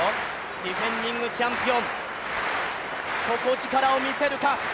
ディフェンディングチャンピオン、底力を見せるか。